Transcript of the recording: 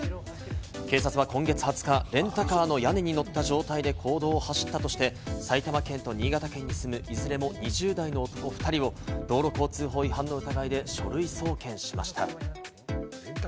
警察は今月２０日、レンタカーの屋根に乗った状態で公道を走ったとして、埼玉県と新潟県に住む、いずれも２０代の男２人を道路交通法違反の疑いで書類送検しました。